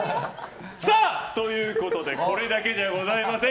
さあ、ということでこれだけではございません。